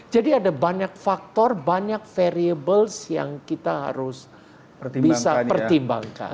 jadi ada banyak faktor banyak variables yang kita harus bisa pertimbangkan